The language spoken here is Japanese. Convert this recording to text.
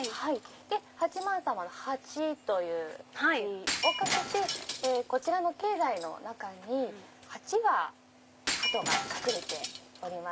八幡さまの八という字をかけてこちらの境内の中に８羽鳩が隠れております。